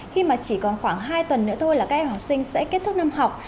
khi mà chỉ còn khoảng hai tuần nữa thôi là các em học sinh sẽ kết thúc năm học